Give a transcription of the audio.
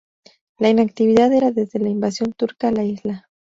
La inactividad era desde la invasión turca a la isla.